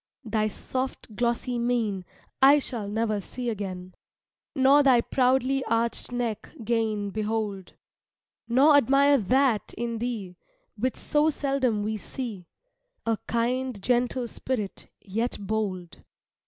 Thy soft glossy mane I shall ne'er see again, Nor thy proudly arched neck 'gain behold; Nor admire that in thee, Which so seldom we see, A kind, gentle spirit, yet bold.